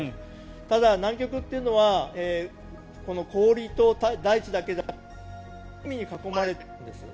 ただ、南極というのは氷と大地だけではなく海に囲まれてるんです。